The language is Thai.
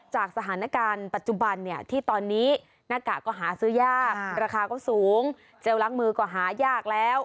จากสถานการณ์ปัจจุบันเนี่ยที่ตอนนี้หน้ากากก็หาซื้อยากราคาก็สูงเจลล้างมือก็หายากแล้ว